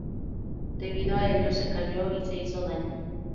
Debido a ello, se cayó y se hizo daño.